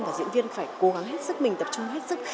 và diễn viên phải cố gắng hết sức mình tập trung hết sức